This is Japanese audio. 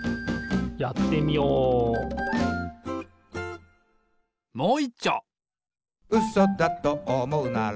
やってみようもういっちょ！